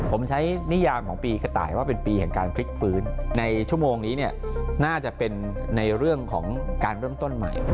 ผมใช้นิยามของปีกระต่ายว่าเป็นปีแห่งการพลิกฟื้นในชั่วโมงนี้น่าจะเป็นในเรื่องของการเริ่มต้นใหม่